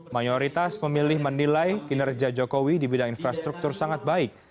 mayoritas pemilih menilai kinerja jokowi di bidang infrastruktur sangat baik